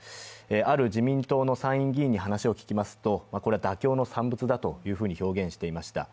ある自民党の参院議員に話を聞きますと、これは妥協の産物だと表現していました。